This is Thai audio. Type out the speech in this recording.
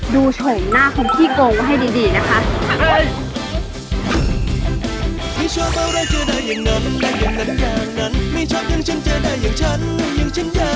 ดูโฉมหน้าของพี่โกงให้ดีนะคะ